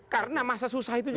karena masa susah itu juga